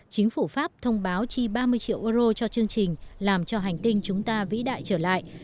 chính phủ pháp thông báo chi ba mươi triệu euro cho chương trình làm cho hành tinh chúng ta vĩ đại trở lại